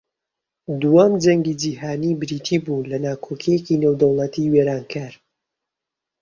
دووەم جەنگی جیھانی بریتی بوو لە ناکۆکییەکی نێودەوڵەتی وێرانکەر